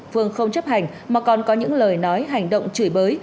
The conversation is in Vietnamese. phương không chấp hành mà còn có những lời nói hành động chửi bới